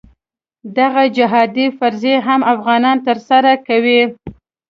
دغه جهادي فریضه هغه افغانان ترسره کوي.